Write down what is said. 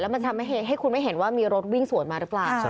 มันทำให้คุณไม่เห็นว่ามีรถวิ่งสวนมาหรือเปล่า